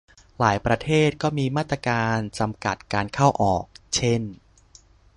หลายประเทศก็มีมาตรการจำกัดการเข้าออก เช่น